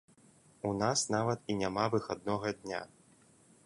У нас нават і няма выхаднога дня.